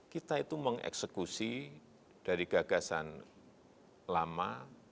kita itu mengeksekusi dari gagasan lama